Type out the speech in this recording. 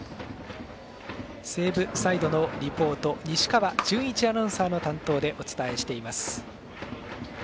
西武サイドのリポート西川順一アナウンサーの担当でお伝えしています。